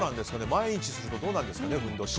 毎日続けたらどうなんですかね。